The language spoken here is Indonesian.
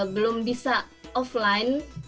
belum bisa offline belum bisa di tempat